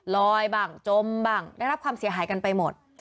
บ้างจมบ้างได้รับความเสียหายกันไปหมด